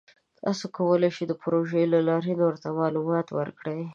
تاسو کولی شئ د پروژې له لارې نورو ته معلومات ورکړئ.